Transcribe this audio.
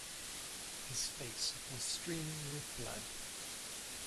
His face was streaming with blood.